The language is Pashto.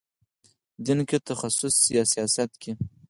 دین کې تخصص یا سیاست کې.